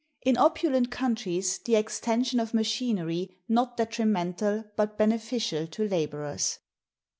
In opulent countries, the extension of machinery not detrimental but beneficial to Laborers.